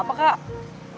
luka kecil doang